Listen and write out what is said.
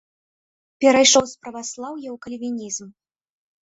Перайшоў з праваслаўя ў кальвінізм.